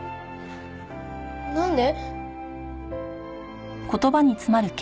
なんで？